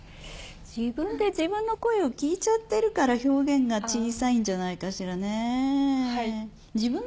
自分で自分の声を聞いちゃってるから表現が小さいんじゃないかしらね。